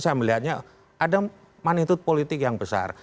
saya melihatnya ada magnitude politik yang besar